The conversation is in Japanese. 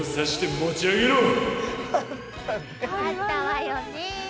あったわよね。